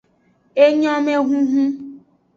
Enyomehunhun.